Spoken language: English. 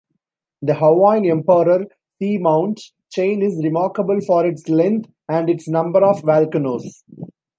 The Hawaiian-Emperor seamount chain is remarkable for its length and its number of volcanoes.